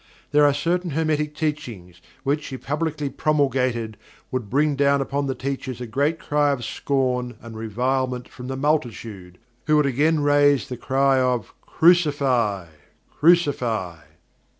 There are certain Hermetic Teachings, which, if publicly promulgated, would bring down upon the teachers a great cry of scorn and revilement from the multitude, who would again raise the cry of "Crucify! Crucify."